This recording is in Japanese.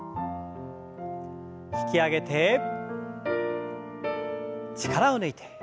引き上げて力を抜いて。